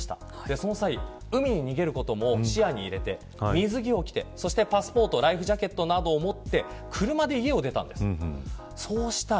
その際海に逃げることも視野に入れて水着を着てパスポートやライフジャケットなどを持って車で家を出たんです。